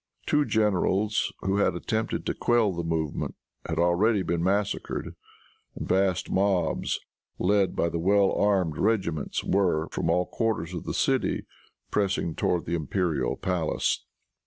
Two generals, who had attempted to quell the movement, had already been massacred, and vast mobs, led by the well armed regiments, were, from all quarters of the city, pressing toward the imperial palace.